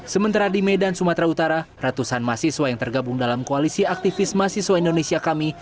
sementara di medan sumatera utara ratusan mahasiswa yang tergabung dalam koalisi aktivis mahasiswa indonesia kami